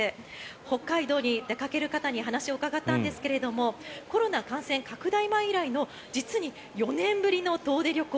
北海道に出かける方に話を伺ったんですがコロナ感染拡大前以来の実に４年ぶりの遠出旅行。